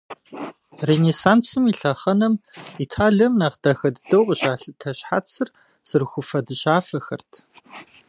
Ренессансым и лъэхъэнэм Италием нэхъ дахэ дыдэу къыщалъытэ щхьэцыр сырыхуфэ-дыщафэхэрат.